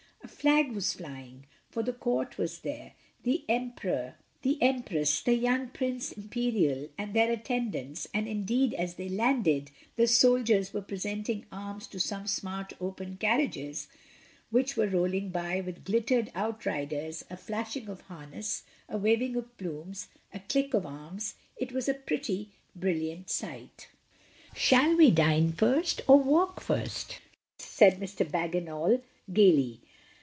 A flag was flying, for the court was there, the Emperor, the Empress, the young Prince Imperial, and their attendants, and indeed as they landed, the soldiers were presenting arms to some smart open carriages, which were rolling by with glittering outriders, a flashing of harness, a waving of plumes, a click of arms; it was a pretty, brilliant sight gZ MRS. DYMOND. "Shall we dine first, or walk first?" said Mr. Bagginal gaily.